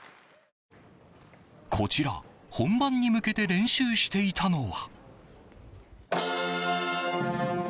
こちら、本番に向けて練習していたのは。